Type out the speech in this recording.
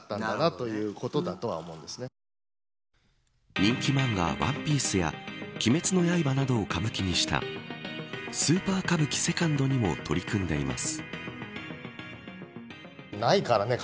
人気漫画ＯＮＥＰＩＥＣＥや鬼滅の刃などを歌舞伎にしたスーパー歌舞伎ＩＩにも取り組んでいます。